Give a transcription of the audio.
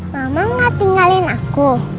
mama gak tinggalin aku